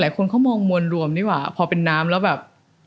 หลายคนมองมวนรวมดีแหว่าพอเป็นน้ำแล้วแบบอ๋อ